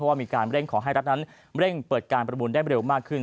ว่ามีการเร่งขอให้รัฐนั้นเร่งเปิดการประมูลได้เร็วมากขึ้น